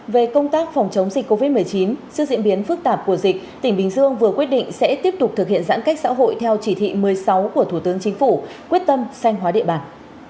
về công tác phòng chống dịch covid một mươi chín trước diễn biến phức tạp của dịch tỉnh bình dương vừa quyết định sẽ tiếp tục thực hiện giãn cách xã hội theo chỉ thị một mươi sáu của thủ tướng chính phủ quyết tâm xanh hóa địa bàn